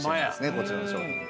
こちらの商品で。